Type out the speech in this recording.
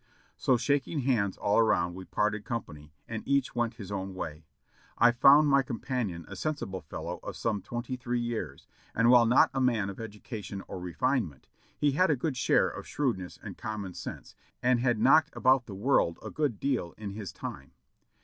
So shaking hands all around, we parted company, and each went his own way. I found my companion a sensible fellow of some twenty three years, and while not a man of education or refinement, he had a good share of shrewdness and common sense, and had knocked about the world a good deal in his time.